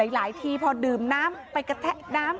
ทีพอดื่มน้ำไปกระแทะน้ำ